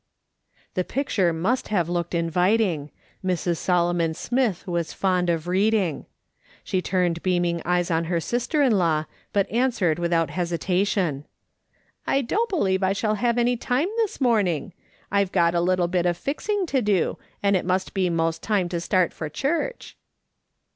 The picture must have looked inviting ; ]\Irs. Solomon Smith was fond of reading. She turned beaming eyes on her sister iu lav/, but answered without liesitatiou :" I don't beheve I shall have any time this morning. I've got a little bit of fixing to do, and it must be most time to start for church."